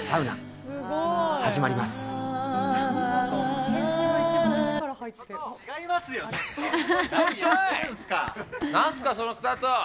なんすかそのスタート。